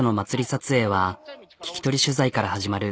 撮影は聞き取り取材から始まる。